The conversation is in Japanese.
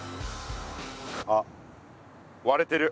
あっわれてる。